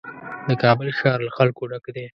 د کابل ښار له خلکو ډک دی.